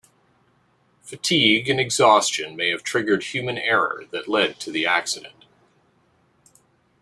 Fatigue and exhaustion may have triggered human error that led to the accident.